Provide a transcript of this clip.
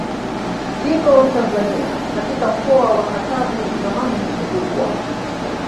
Iko Tanzania katika mkoa wa Katavi zamani Rukwa